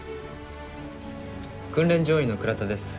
訓練乗員の倉田です。